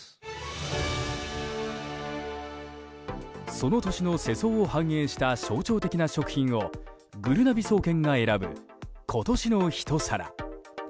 その年の世相を反映した象徴的な食品をぐるなび総研が選ぶ今年の一皿。